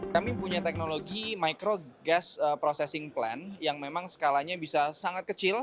kami punya teknologi micro gas processing plant yang memang skalanya bisa sangat kecil